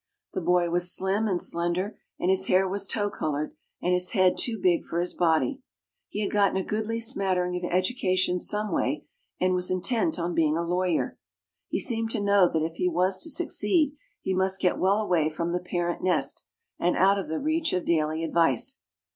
The boy was slim and slender and his hair was tow colored and his head too big for his body. He had gotten a goodly smattering of education some way and was intent on being a lawyer. He seemed to know that if he was to succeed he must get well away from the parent nest, and out of the reach of daily advice.